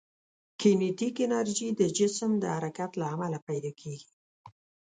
کینیتیک انرژي د جسم د حرکت له امله پیدا کېږي.